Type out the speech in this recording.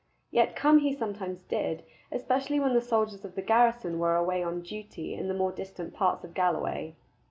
Yet come he sometimes did, especially when the soldiers of the garrison were away on duty in the more distant parts of Galloway.